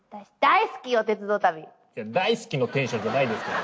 いや大好きのテンションじゃないですけど。